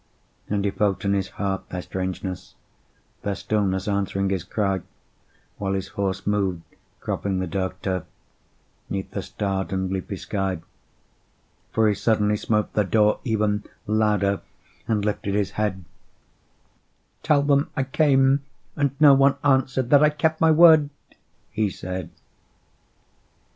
And he felt in his heart their strangeness, Their stillness answering his cry, While his horse moved, cropping the dark turf, 'Neath the starred and leafy sky; For he suddenly smote on the door, even Louder, and lifted his head: 'Tell them I came, and no one answered, That I kept my word,' he said.